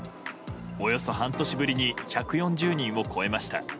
およそ半年ぶりに１４０人を超えました。